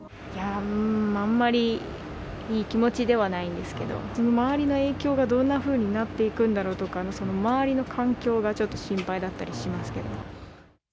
あんまりいい気持ではないですけど、周りの影響がどんなふうになっていくんだろうとか、周りの環境がちょっと心配だったりしますけど。